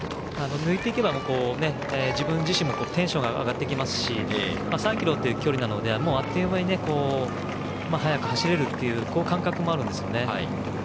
抜いていけば、自分自身もテンションが上がってきますし３ｋｍという距離なのであっという間に速く走れるという感覚もあるんですよね。